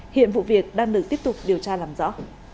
hiện vụ việc đang được tiếp tục điều tra làm rõ